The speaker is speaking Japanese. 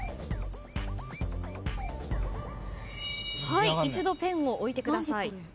はい一度ペンを置いてください。